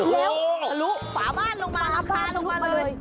แล้วทะลุฝาบ้านลงมาลำคาลงมาเลย